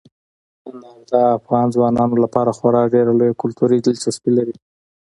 انار د افغان ځوانانو لپاره خورا ډېره لویه کلتوري دلچسپي لري.